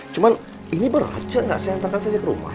cuman ini berat aja gak saya hantarkan saja ke rumah